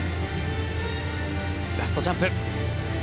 ラストジャンプ。